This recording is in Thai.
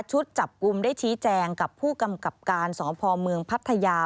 จับกลุ่มได้ชี้แจงกับผู้กำกับการสพเมืองพัทยา